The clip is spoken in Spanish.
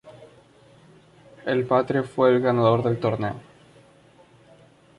El patrie fue el ganador del torneo.